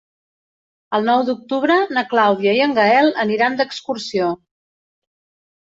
El nou d'octubre na Clàudia i en Gaël aniran d'excursió.